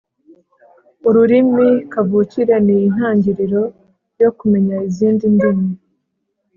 Ururimi kavukire ni intangiriro yo kumenya izindi ndimi.